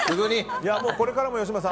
これからも吉村さん